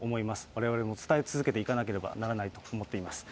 われわれも伝え続けていかなければならないと思っています。